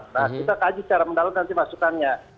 nah kita kaji secara mendalam nanti masukannya